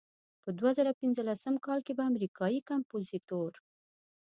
په دوه زره پنځلسم کال کې به امریکایي کمپوزیتور.